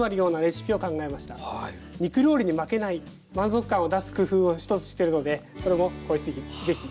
肉料理に負けない満足感を出す工夫を一つしてるのでそれもぜひ。